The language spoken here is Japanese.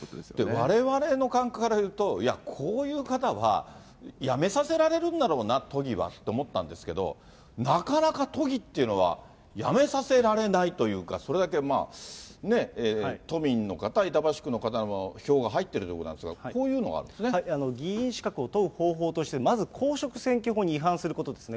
われわれの感覚から言うと、いや、こういう方は辞めさせられるんだろうな、都議はって思ったんですけど、なかなか都議っていうのは辞めさせられないというか、それだけ都民の方、板橋区の方の票が入っているということなんですが、こういうのが議員資格を問う方法として、まず公職選挙法に違反することですね。